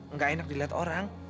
nggak enak dilihat orang